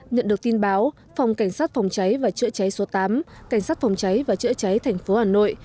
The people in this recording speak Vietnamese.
nhận được tin báo phòng cảnh sát phòng cháy và chữa cháy số tám cảnh sát phòng cháy và chữa cháy thành phố hà nội